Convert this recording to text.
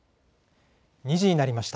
２時になりました。